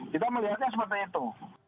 kita melihatnya seperti itu